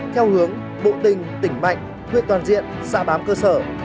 theo hướng bộ tình tỉnh mạnh huyện toàn diện xã bám cơ sở